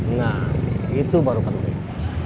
nah itu baru penting